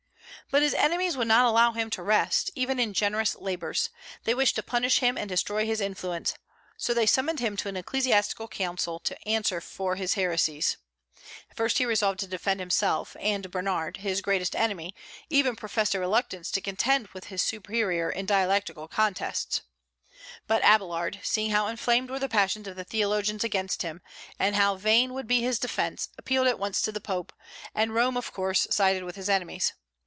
But his enemies would not allow him to rest, even in generous labors. They wished to punish him and destroy his influence. So they summoned him to an ecclesiastical council to answer for his heresies. At first he resolved to defend himself, and Bernard, his greatest enemy, even professed a reluctance to contend with his superior in dialectical contests. But Abélard, seeing how inflamed were the passions of the theologians against him, and how vain would be his defence, appealed at once to the Pope; and Rome, of course, sided with his enemies.